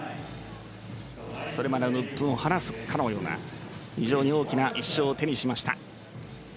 それまでの鬱憤を晴らすかのような非常に大きな１勝を手にしました。